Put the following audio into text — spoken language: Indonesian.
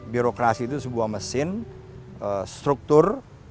birokrasi itu sebuah mesin struktur